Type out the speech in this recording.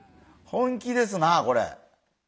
本気ですなあこれ。